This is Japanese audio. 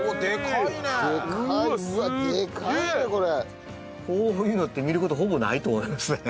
こういうのって見る事ほぼないと思いますね。